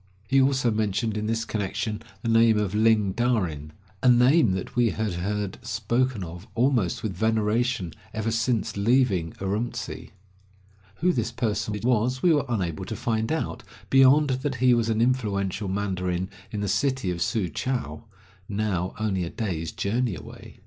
He also mentioned in this connection the name of Ling Darin — a name that we had heard spoken of almost with veneration ever since leaving Urumtsi. Who this 170 Across Asia on a Bicycle personage was we were unable to find out beyond that he was an influential mandarin in the city of Su chou, now only a day's journey away.